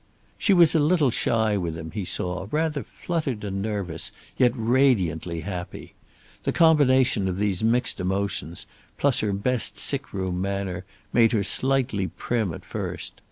She was a little shy with him, he saw; rather fluttered and nervous, yet radiantly happy. The combination of these mixed emotions, plus her best sick room manner, made her slightly prim at first.